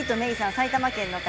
埼玉県の方。